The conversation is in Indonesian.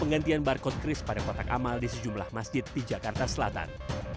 penggantian barcode kris pada kotak amal di sejumlah masjid di jakarta selatan